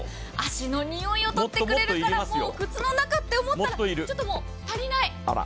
足の臭いを取ってくれるから、靴の中って思ったら、ちょっと足りない。